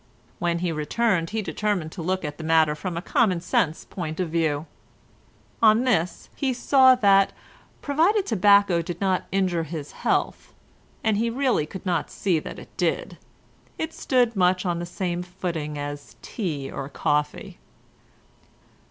When he returned he determined to look at the matter from a common sense point of view. On this he saw that, provided tobacco did not injure his health—and he really could not see that it did—it stood much on the same footing as tea or coffee.